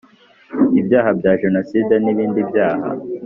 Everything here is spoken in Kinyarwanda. Ibyaha bya Jenoside n ibindi byaha